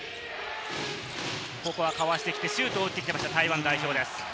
ここはかわしてきてシュートを打ってきた台湾代表です。